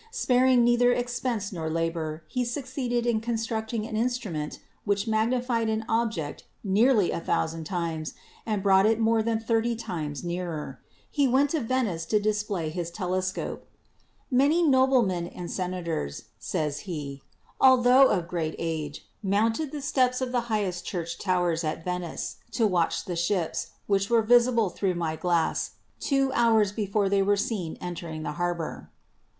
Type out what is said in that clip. Sparing neither expense nor labor, he succeeded in constructing an instrument which magnified an object nearly a thousand times and brought it more than thirty times nearer. He went to Venice to REFLECTION AND REFRACTION 91 display his telescope. "Many noblemen and senators," says he, "altho of great age, mounted the steps of the high est church towers at Venice to watch the ships, which were visible through my glass two hours before they were seen entering the harbor."